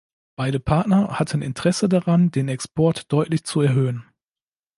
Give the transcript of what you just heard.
Beide Partner hatten Interesse daran, den Export deutlich zu erhöhen.